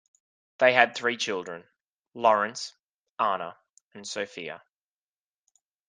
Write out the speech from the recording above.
They had three children, Lawrence, Anna and Sophia.